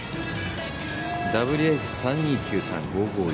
ＷＦ３２９３５５Ｕ。